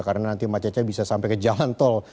karena nanti macetnya bisa sampai ke jalan tol